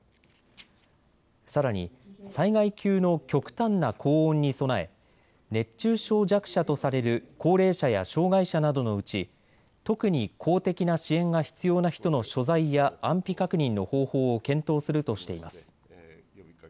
さらに災害級の極端な高温に備え熱中症弱者とされる高齢者や障害者などのうち特に公的な支援が必要な人の所在や安否確認の方法を検討するとしています。